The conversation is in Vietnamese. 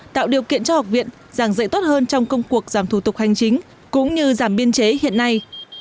tạo điều kiện cho học viện giảng dạy tốt hơn trong công cuộc giảm thủ tục hành chính cũng như giảm biên chế hiện nay